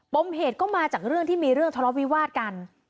มเหตุก็มาจากเรื่องที่มีเรื่องทะเลาะวิวาดกัน